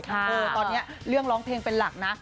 ตอนนี้เรื่องร้องเพลงเป็นหลักนะ